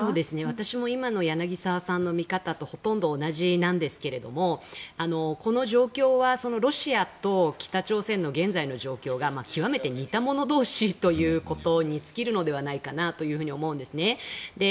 私も今の柳澤さんの見方とほとんど同じなんですけれどもこの状況はロシアと北朝鮮の現在の状況が極めて似た者同士ということに尽きるのではないかなと思うんです。